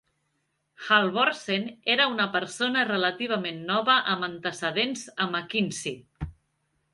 Halvorsen era una persona relativament nova amb antecedents a McKinsey.